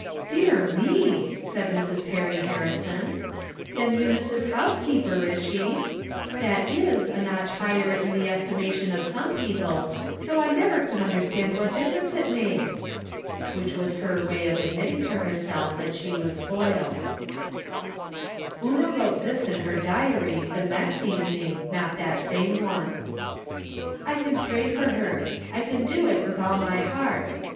" Dear me !" said Mrs. Perry Harrison. " Then Eunice is housekeeper, is she ? That is a notch higher in the estimation of some people, though I never could understand what difference it made," which was her way of admitting to herself that she was foiled. From Different Standpoints. 279 Una wrote tMs in her diary the next evening, not that same one : I can pray for her ; I can do it with all my heart.